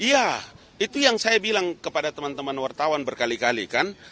iya itu yang saya bilang kepada teman teman wartawan berkali kali kan